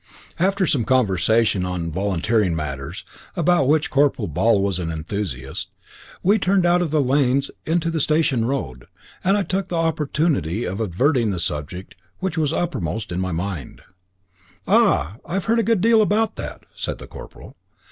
After some conversation on volunteering matters, about which Corporal Ball was an enthusiast, we turned out of the lanes into the station road, and I took the opportunity of adverting to the subject which was uppermost in my mind. "Ah! I have heard a good deal about that," said the corporal.